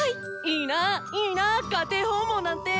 いいないいな家庭訪問なんて！